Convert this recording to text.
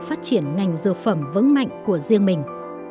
phát triển ngành dược phẩm vững mạnh của riêng mình